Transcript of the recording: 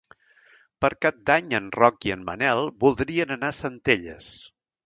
Per Cap d'Any en Roc i en Manel voldrien anar a Centelles.